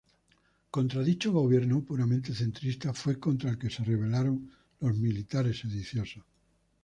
Contra dicho Gobierno puramente centrista fue contra el que se rebelaron los militares sediciosos.